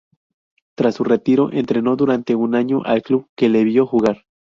Tras su retiro entrenó durante un año al club que le vio jugar.